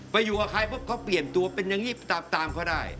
อยู่กับใครปุ๊บเขาเปลี่ยนตัวเป็นอย่างนี้ตามเขาได้